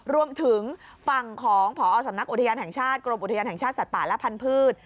รวมถึงฝั่งของพอสำนักอุทยานแห่งชาติกรมอุทยานแห่งชาติสัตว์ป่าและพันธุ์